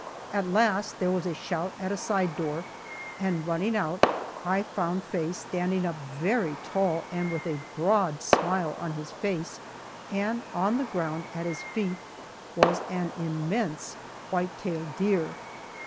At last there was a shout at a side door, and running out I found Faye standing up very tall and with a broad smile on his face, and on the ground at his feet was an immense white tail deer!